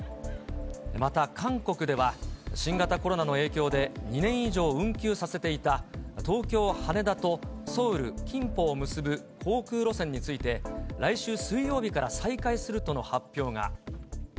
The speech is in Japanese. また、韓国では、新型コロナの影響で２年以上運休させていた、東京・羽田とソウル・キンポを結ぶ航空路線について、来週水曜日から再開するとの発表が。